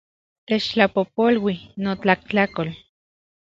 Techtlapojpolui, notlajtlakol